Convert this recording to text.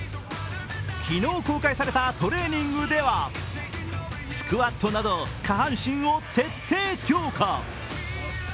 昨日公開されたトレーニングではスクワットなど下半身を徹底強化。